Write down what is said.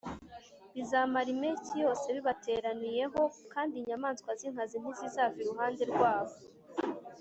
bizamara impeshyi yose bibateraniyeho kandi inyamaswa zinkazi ntizizava iruhande rwabo